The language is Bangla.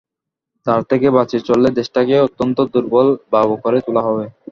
তার থেকে বাঁচিয়ে চললে দেশটাকে অত্যন্ত দুর্বল, বাবু করে তোলা হবে।